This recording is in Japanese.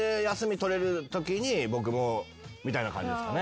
僕もみたいな感じですかね。